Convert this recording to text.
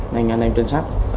nên anh em trên sách